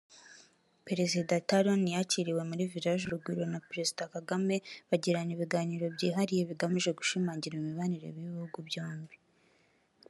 Perezida Talon yakiriwe muri Village Urugwiro na Perezida Kagame bagirana ibiganiro byihariye bigamije gushimangira imibanire y’ibihugu byombi